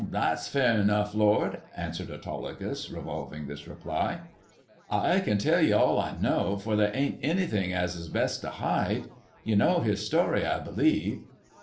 " That's fair enuff, lord," answered Autolycus, revolving this reply. "I can tell ye all I know, for there ain't anything as is best to hide. You know his story, I b'lieve